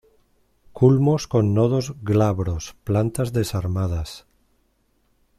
Culmos con nodos glabros. Plantas desarmadas.